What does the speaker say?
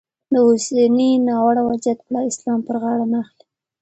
د اوسني ناوړه وضیعت پړه اسلام پر غاړه نه اخلي.